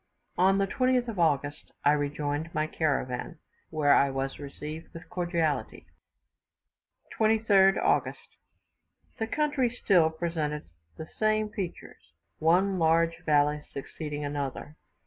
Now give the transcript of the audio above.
On the 22nd of August I rejoined my caravan, where I was received with cordiality. 23rd August. The country still presented the same features; one large valley succeeding another.